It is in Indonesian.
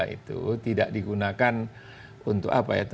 itu tidak digunakan untuk apa ya